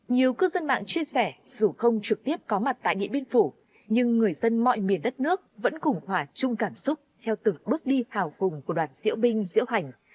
nhiều cư dân mạng chia sẻ dù không trực tiếp có mặt tại điện biên phủ nhưng người dân mọi miền đất nước vẫn cùng hòa chung cảm xúc theo từng bước đi hào cùng của đoàn diễu binh diễu hành